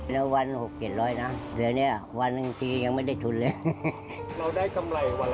เราได้จำไรวันแล้วเท่าไรครับ